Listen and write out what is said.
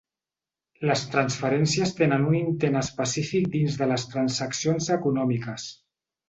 Les transferències tenen un intent específic dins de les transaccions econòmiques.